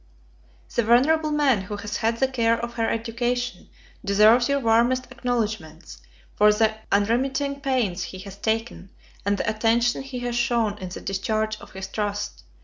The venerable man who has had the care of her education, deserves your warmest acknowledgments, for the unremitting pains he has taken, and the attention he has shewn in the discharge of his trust.